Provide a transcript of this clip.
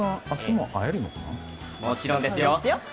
もちろんですよ。